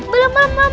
belum belum belum